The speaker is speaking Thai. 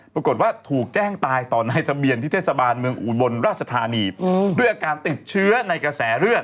ปรากฏว่าถูกแจ้งตายต่อในทะเบียนที่เทศบาลเมืองอุบลราชธานีด้วยอาการติดเชื้อในกระแสเลือด